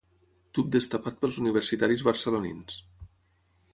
Tub destapat pels universitaris barcelonins.